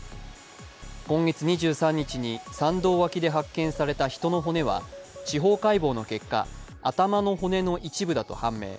今月２３日に山道脇で発見された人の骨は司法解剖の結果、頭の骨の一部だと判明。